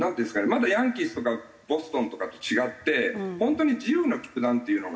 まだヤンキースとかボストンとかと違って本当に自由な球団っていうのがあって。